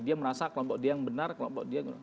dia merasa kelompok dia yang benar kelompok dia